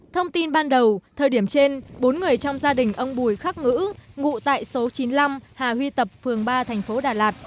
thông tin ban đầu thời điểm trên bốn người trong gia đình ông bùi khắc ngữ ngụ tại số chín mươi năm hà huy tập phường ba thành phố đà lạt